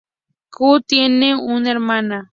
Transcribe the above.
Ku tiene una hermana.